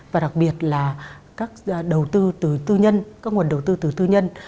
và đặc biệt là các đầu tư từ tư nhân các nguồn đầu tư từ tư nhân